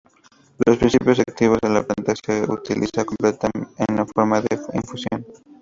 Los principios activos en la planta, que se utiliza completa en forma de infusión.